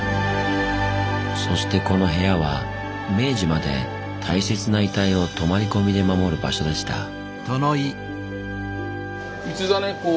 そしてこの部屋は明治まで大切な遺体を泊まり込みで守る場所でした。